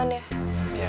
aku udah kenal